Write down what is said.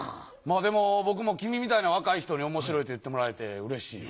でも僕も君みたいな若い人に面白いって言ってもらえてうれしいよ。